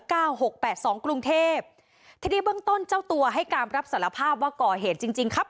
หกแปดสองกรุงเทพทีนี้เบื้องต้นเจ้าตัวให้การรับสารภาพว่าก่อเหตุจริงจริงครับ